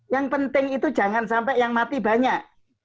yang penting itu jangan sampai yang mati banyak